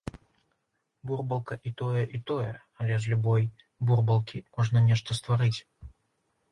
Бурбалка і тое, і тое, але з любой бурбалкі можна нешта стварыць.